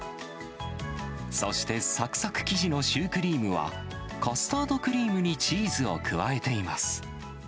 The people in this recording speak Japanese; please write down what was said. そしてさくさく生地のシュークリームは、カスタードクリームにチーズを加えています。